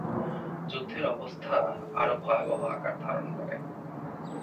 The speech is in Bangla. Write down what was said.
যুদ্ধের অবস্থা আরো ভয়াবহ আকার ধারণ করে।